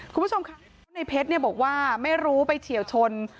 คุณผู้ชมค่ะในเพชรบอกว่าไม่รู้ไปเฉียวชน